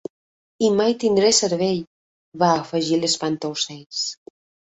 "I mai tindré cervell", va afegir l'Espantaocells.